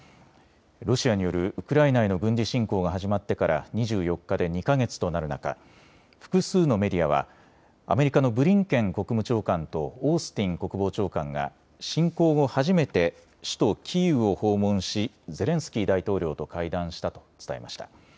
ロシアによるウクライナへの軍事侵攻が始まってから２４日で２か月となる中、複数のメディアはアメリカのブリンケン国務長官とオースティン国防長官が侵攻後初めて首都キーウを訪問しゼレンスキー大統領と会談したと伝えました。